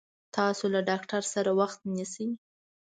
تاسو له ډاکټر سره وخت ونيسي